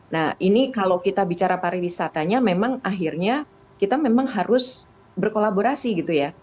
nah ini kalau kita bicara pariwisatanya memang akhirnya kita memang harus berkolaborasi gitu ya